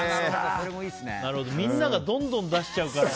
みんな、どんどん出しちゃうから。